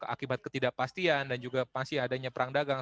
akibat ketidakpastian dan juga masih adanya perang dagang